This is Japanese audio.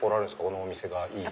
このお店がいいって。